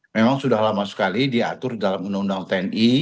memang sudah lama sekali diatur dalam undang undang tni